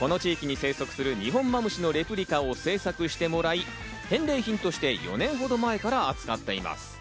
この地域に生息するニホンマムシのレプリカを制作してもらい、返礼品として４年ほど前から扱っています。